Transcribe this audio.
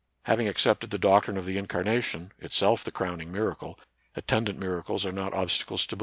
Having accepted the doctrine of the incar nation, itself the crowning miracle, attendant miracles are not obstacles to belief.